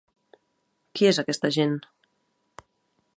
Qui és aquesta gent?